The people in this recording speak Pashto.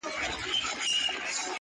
هغه له میني جوړي پرندې به واپس راسي,,